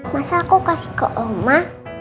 masa aku kasih ke oma